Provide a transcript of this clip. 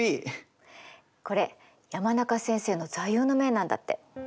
これ山中先生の座右の銘なんだって。